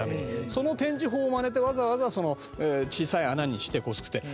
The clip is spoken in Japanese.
その展示法をまねて、わざわざ小さい穴にして、これ作って。